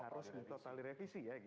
harus total direvisi ya gitu